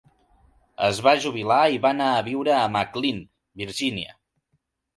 Es va jubilar i va anar a viure a McLean, Virgínia.